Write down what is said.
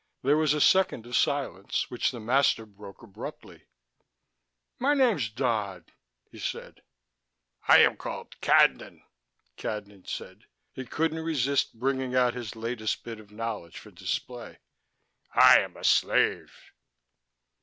There was a second of silence, which the master broke abruptly. "My name's Dodd," he said. "I am called Cadnan," Cadnan said. He couldn't resist bringing out his latest bit of knowledge for display. "I am a slave."